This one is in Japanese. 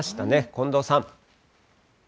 近藤さん。